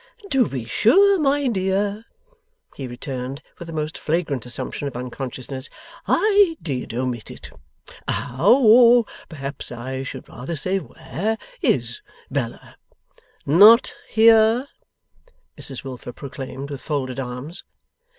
'To be sure, my dear,' he returned, with a most flagrant assumption of unconsciousness, 'I did omit it. How or perhaps I should rather say where IS Bella?' 'Not here,' Mrs Wilfer proclaimed, with folded arms.